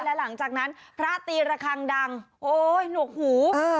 และหลังจากนั้นพระตีระคังดังโอ๊ยหนวกหู